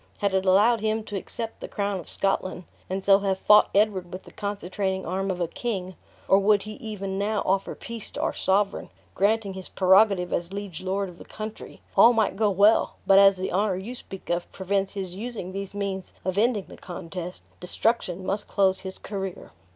Had it allowed him to accept the crown of Scotland, and so have fought Edward with the concentrating arm of a king; or would he even now offer peace to our sovereign, granting his prerogative as liege lord of the country, all might go well; but as the honor you speak of prevents his using these means of ending the contest, destruction must close his career."